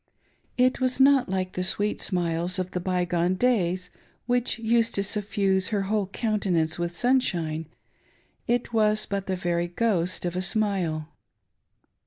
It was not like the sweet smiles of the by gone days which used to suffuse her whole countenance with sunshine — it was but the very ghost of a smile.